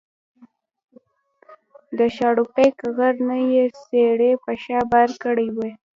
د شاړوبېک غر نه یې څېړۍ په شا بار کړې وې